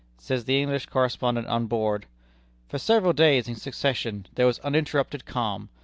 Says the English correspondent on board: "For several days in succession there was an uninterrupted calm.